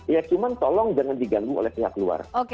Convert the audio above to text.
ya cuma tolong jangan diganggu oleh pihak luar